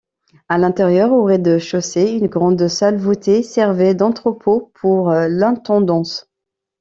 À l'intérieur, au rez-de-chaussée, une grande salle voûtée servait d'entrepôt pour l'intendance.